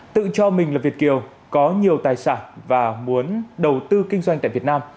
tự cho mình là việt kiều có nhiều tài sản và muốn đầu tư kinh doanh tại việt nam